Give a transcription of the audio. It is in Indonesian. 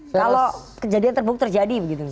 kalau kejadian terbuk terjadi begitu misalnya